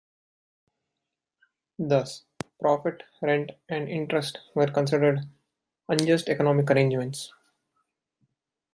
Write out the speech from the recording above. Thus, profit, rent, and interest were considered unjust economic arrangements.